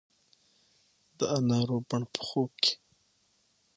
د انارو بڼ په خوب کې